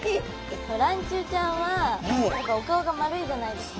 らんちゅうちゃんはお顔が丸いじゃないですか。